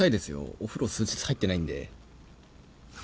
お風呂数日入ってないんで。